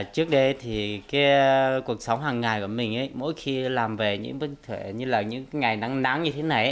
trước đây cuộc sống hàng ngày của mình mỗi khi làm về những vấn đề như là những ngày nắng nắng như thế này